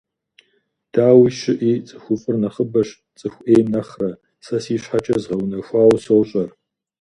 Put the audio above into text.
Дауи щӏыи, цӏыхуфӏыр нэхъыбэщ цӏыху ӏейм нэхъырэ, сэ си щхьэкӏэ згъэунэхуауэ сощӏэр.